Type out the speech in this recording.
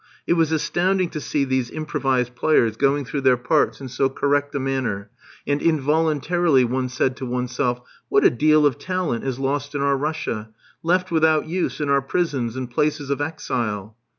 It was astounding to see these improvised players going through their parts in so correct a manner; and involuntarily one said to oneself: "What a deal of talent is lost in our Russia, left without use in our prisons and places of exile!"